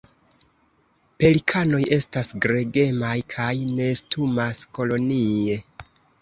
Pelikanoj estas gregemaj kaj nestumas kolonie.